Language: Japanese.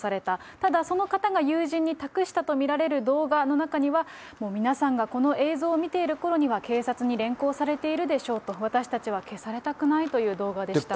ただその方が友人に託したと見られる動画の中には、もう皆さんがこの映像を見ているころには、警察に連行されているでしょうと、私たちは消されたくないという動画でした。